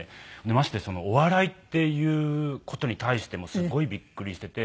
ましてお笑いっていう事に対してもすごいビックリしてて。